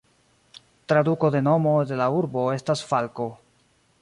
Traduko de nomo de la urbo estas "falko".